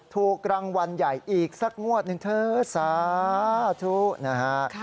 ถูกรางวัลใหญ่อีกสักงวดหนึ่งเถอะสาธุนะฮะ